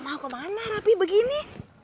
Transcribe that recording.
mau kemana rapi begini